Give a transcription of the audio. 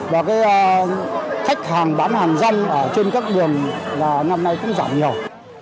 và cái khách hàng bán hàng rong ở trên các đường là năm nay cũng giảm nhiều